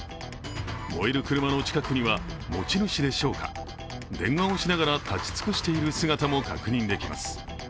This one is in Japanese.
燃える車の近くには持ち主でしょうか、電話をしながら立ち尽くしている姿も確認できます。